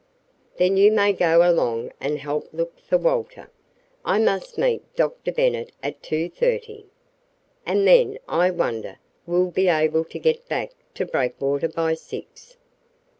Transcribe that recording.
"Then you may go along and help look for Walter. I must meet Dr. Bennet at two thirty. And then, I wonder, will we be able to get back to Breakwater by six."